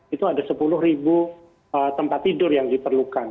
itu ada sepuluh tempat tidur yang diperlukan